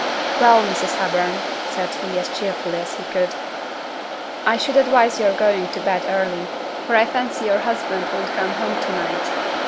'Well, Mrs. Hepburn,' said he, as cheerfully as he could, 'I should advise your going to bed early; for I fancy your husband won't come home to night.